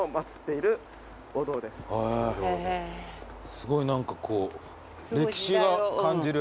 すごい何かこう歴史を感じる。